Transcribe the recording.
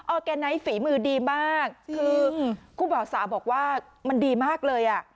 อร์แกไนท์ฝีมือดีมากคือคู่บ่าวสาวบอกว่ามันดีมากเลยอ่ะ